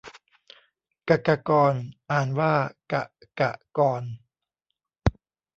กกกร อ่านว่า กะกะกอน